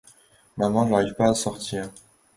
Maman j'arrive pas à sortir !